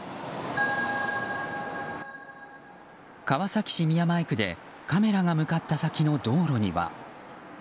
川崎市宮前区でカメラが向かった先の道路には。